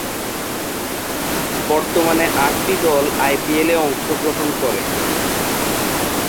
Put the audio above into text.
বর্তমানে আটটি দল আইপিএলে অংশগ্রহণ করে।